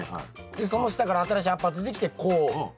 でその下から新しい葉っぱが出てきてこうこう。